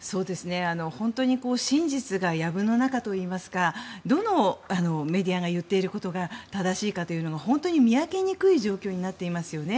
本当に真実がやぶの中といいますかどのメディアが言っていることが正しいかというのが本当に見分けにくい状況になっていますよね。